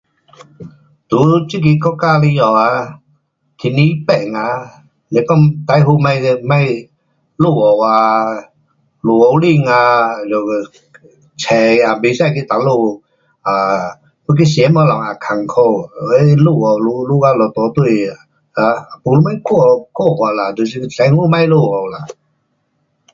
在这个国家里下啊，天气变啊，是讲最好别，别落雨啊，落雨天啊，um 出也不知去哪里，啊，要去吃东西也困苦。有的落雨，落，落到一大堆，没什么看，看法啦，就是最好别落雨啦。